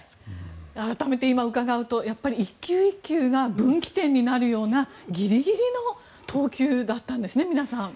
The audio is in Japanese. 改めて今伺うと１球１球が分岐点になるようなギリギリの投球だったんですね、皆さん。